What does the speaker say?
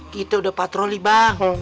kita udah patroli bang